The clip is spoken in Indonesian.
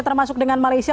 termasuk dengan malaysia